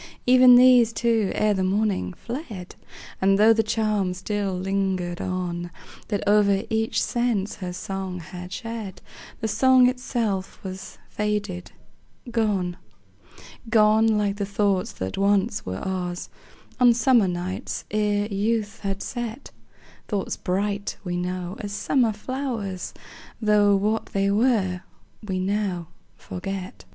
Even these, too, ere the morning, fled; And, tho' the charm still lingered on, That o'er each sense her song had shed, The song itself was faded, gone; Gone, like the thoughts that once were ours, On summer days, ere youth had set; Thoughts bright, we know, as summer flowers, Tho' what they were we now forget.